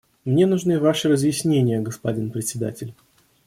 Мне нужны Ваши разъяснения, господин Председатель.